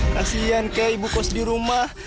kasian kayak ibu kos di rumah